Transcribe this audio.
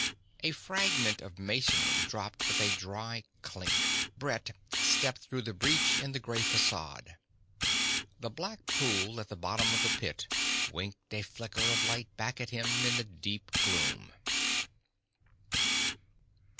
A fragment of masonry dropped with a dry clink. Brett stepped through the breach in the grey facade. The black pool at the bottom of the pit winked a flicker of light back at him in the deep gloom.